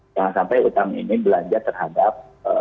jangan sampai utang ini belanja terhadap